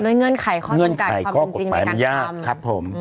ด้วยเงื่อนไขข้อกฎหมายมันยากครับผม